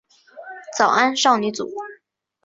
早安少女组。